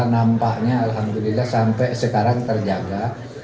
nampaknya alhamdulillah sampai sekarang terjaga